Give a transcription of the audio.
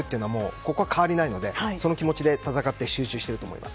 ここは変わりないのでその気持ちで戦っていると思います。